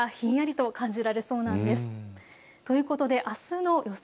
ということで、あすの予想